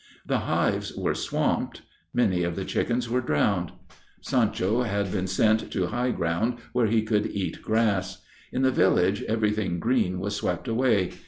The hives were swamped. Many of the chickens were drowned. Sancho had been sent to high ground, where he could get grass. In the village everything green was swept away.